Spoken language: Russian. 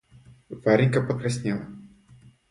Варенька покраснела.